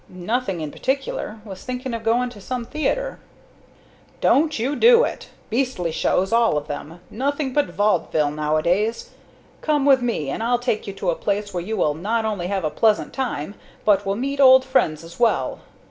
"Nothing in particular. Was thinking of going to some theatre." "Don't you do it! Beastly shows, all of them. Nothing but vaudeville nowadays. Come with me and I'll take you to a place where you will not only have a pleasant time, but will meet old friends as well.